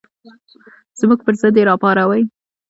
زموږ پر ضد یې راوپاروئ.